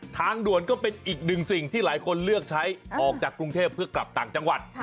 ทางด่วนก็เป็นอีกหนึ่งสิ่งที่หลายคนเลือกใช้ออกจากกรุงเทพเพื่อกลับต่างจังหวัด